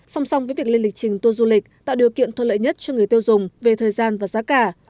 song song với việc lên lịch trình tour du lịch tạo điều kiện thuận lợi nhất cho người tiêu dùng về thời gian và giá cả